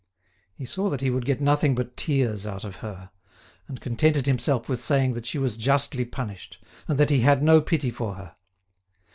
He saw that he would get nothing but tears out of her, and contented himself with saying that she was justly punished, and that he had no pity for her.